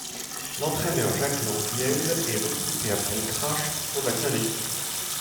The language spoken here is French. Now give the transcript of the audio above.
L'entraîneur Jack Lengyel est recruté après le crash pour rebâtir l'équipe.